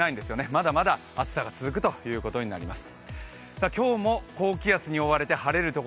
まだまだ暑さが続くということになります。